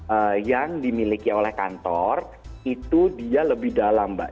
jadi sebenarnya yang dimiliki oleh kantor itu dia lebih dalam mbak